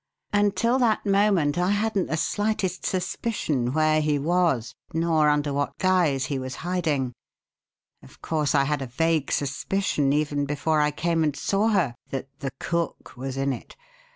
Until that moment I hadn't the slightest suspicion where he was nor under what guise he was hiding. Of course I had a vague suspicion, even before I came and saw her, that 'the cook' was in it.